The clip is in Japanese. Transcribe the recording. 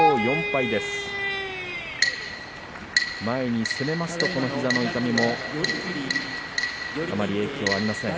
前に攻めると、この膝の痛みもあまり影響はありません。